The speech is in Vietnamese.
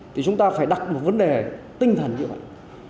thì chúng ta phải đặt một vấn đề tinh thần như vậy